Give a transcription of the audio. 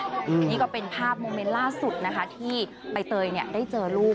นี่ก็เป็นภาพโมเมนต์ล่าสุดนะคะที่ใบเตยเนี่ยได้เจอลูก